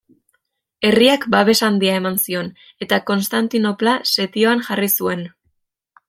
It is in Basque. Herriak babes handia eman zion, eta Konstantinopla setioan jarri zuen.